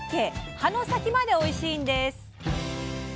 葉の先までおいしいんです。